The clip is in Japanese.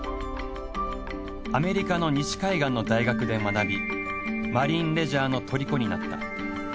アメリカの西海岸の大学で学びマリンレジャーのとりこになった。